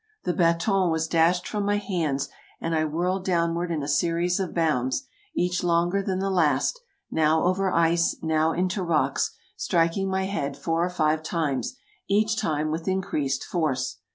The baton was dashed from my hands, and I whirled downward in a series of bounds, each longer than the last — now over ice, now into rocks — striking my head four or five times, each time with increased force.